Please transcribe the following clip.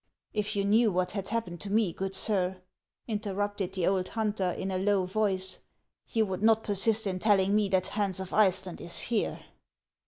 "If you knew what had happened to me, good sir/' 23 354 HANS OF ICELAND. interrupted the old hunter, in a low voice, "you would not persist in telling me that Hans of Iceland is here."